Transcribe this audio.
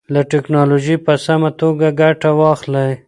له ټکنالوژۍ په سمه توګه ګټه واخلئ.